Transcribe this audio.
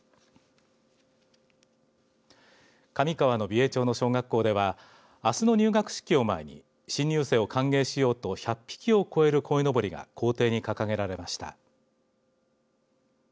上川の美瑛町の小学校ではあすの入学式を前に新入生を歓迎しようと１００匹を超えるこいのぼりが校庭に掲げられました。